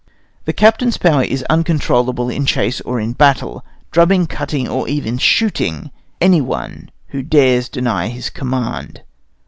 The captain's power is uncontrollable in chase or in battle, drubbing, cutting, or even shooting any one who dares deny his command.